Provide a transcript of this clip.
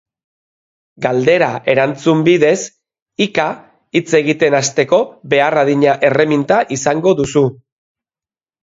Galdera-erantzun bidez, hika hitz egiten hasteko behar adina erreminta izango duzu.